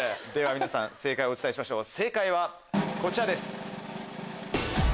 皆さん正解をお伝えしましょう正解はこちらです。